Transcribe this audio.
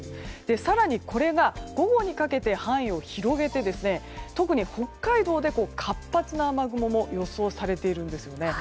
更に、これが午後にかけて範囲を広げて特に北海道で活発な雨雲も予想されているんです。